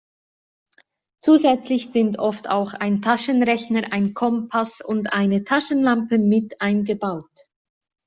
Zusätzlich sind oft auch ein Taschenrechner, ein Kompass und eine Taschenlampe mit eingebaut.